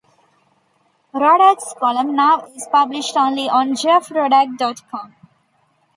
Rodack's column now is published only on JeffRodack dot com.